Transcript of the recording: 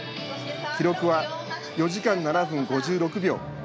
記録は４時間７分５６秒。